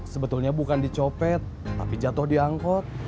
sebetulnya bukan dicopet tapi jatuh di angkot